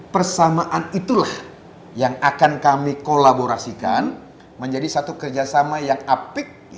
persamaan itulah yang akan kami kolaborasikan menjadi satu kerjasama yang apik